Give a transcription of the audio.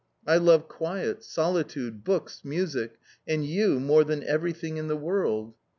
I love quiet, solitude, books, music, and you more than everything in the world."